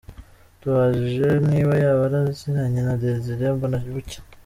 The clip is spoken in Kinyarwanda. Tumubajije niba yaba aziranye na Desire Mbonabucya.